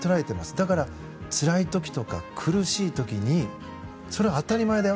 だからつらい時とか苦しい時にそれは当たり前だよ